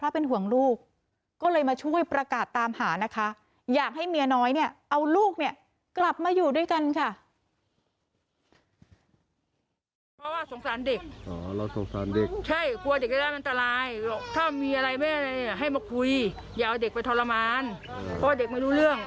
เพราะว่าเด็กไม่รู้เรื่อง